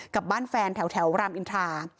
กับบ้านแฟนแถวรามอินทรา